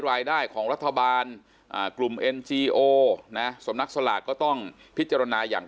รายได้ของรัฐบาลกลุ่มเอ็นจีโอนะสำนักสลากก็ต้องพิจารณาอย่าง